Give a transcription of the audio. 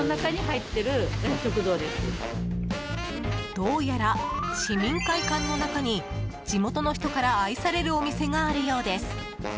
どうやら、市民会館の中に地元の人から愛されるお店があるようです。